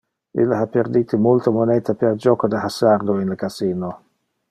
Ille ha perdite multe moneta per joco de hasardo in le casino.